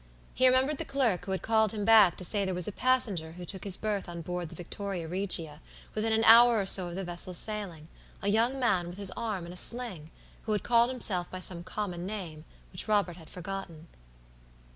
He remembered the clerk who had called him back to say there was a passenger who took his berth on board the Victoria Regia within an hour or so of the vessel's sailing; a young man with his arm in a sling, who had called himself by some common name, which Robert had forgotten.